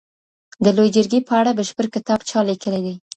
د لویې جرګي په اړه بشپړ کتاب چا لیکلی دی؟